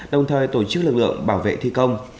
đồng thời tổ chức lực lượng bảo vệ thi công